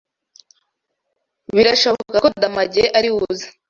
Birashoboka ko Ndamage ariwe uza.